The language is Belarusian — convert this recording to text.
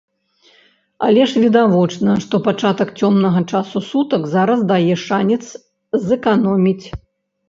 Але ж відавочна, што пачатак цёмнага часу сутак зараз дае шанец зэканоміць.